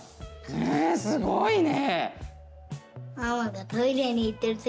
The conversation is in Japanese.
へえすごいね！